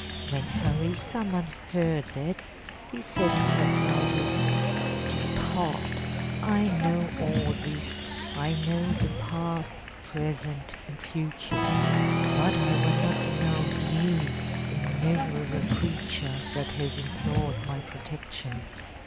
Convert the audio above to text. When Harisarman heard that, he said to her proudly: "Depart, I know all this; I know the past, present, and future, but I will not denounce you, a miserable creature that has implored my protection.